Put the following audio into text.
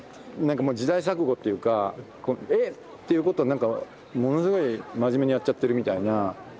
なんかもう時代錯誤っていうかえ！っていうことをなんかものすごい真面目にやっちゃってるみたいな。